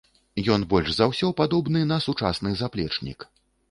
Ён больш за ўсё падобны на сучасны заплечнік.